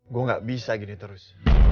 gue gak bisa gini terus